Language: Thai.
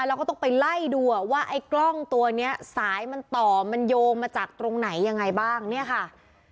แล้วก็ต้องไปไล่ดูอ่ะว่าไอ้กล้องตัวนี้สายมันต่อมันโยงมาจากตรงไหนยังไงบ้างเนี่ยค่ะ